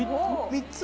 ３つ？